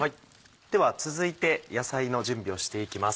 では続いて野菜の準備をしていきます。